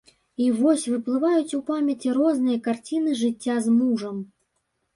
І вось выплываюць у памяці розныя карціны жыцця з мужам.